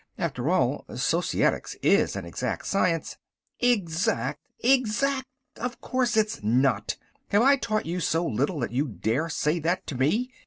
After all, Societics is an exact science " "Exact? Exact! Of course it's not! Have I taught you so little that you dare say that to me?"